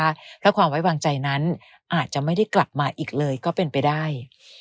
เพราะความไว้วางใจนั้นอาจจะไม่ได้กลับมาอีกเลยก็เป็นไปได้